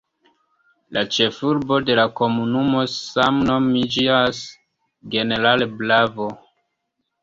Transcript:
La ĉefurbo de la komunumo same nomiĝas "General Bravo".